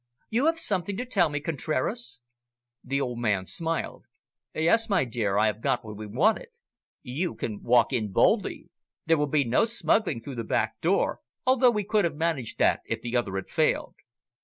"You have something to tell me, Contraras?" The old man smiled. "Yes, my dear, I have got what we wanted. You can walk in boldly. There will be no smuggling through the back door, although we could have managed that, if the other had failed."